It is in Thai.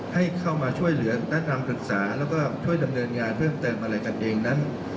ให้เข้ามาช่วยเหลือแนะนำศึกษาแล้วก็ช่วยดำเนินงานเพิ่มเติมอะไรกันเองนั้น